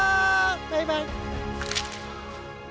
バイバイ。